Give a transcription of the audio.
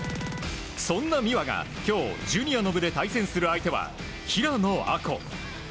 そんな美和が今日ジュニアの部で対戦する相手は平野亜子。